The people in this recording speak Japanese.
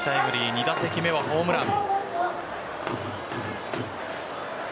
２打席目はホームラン。